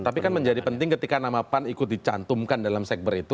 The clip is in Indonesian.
tapi kan menjadi penting ketika nama pan ikut dicantumkan dalam sekber itu